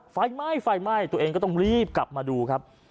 ไฟไหม้ไฟไหม้ตัวเองก็ต้องรีบกลับมาดูครับ